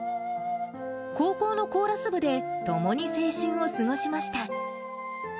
高校のコーラス部で共に青春を過ごしました。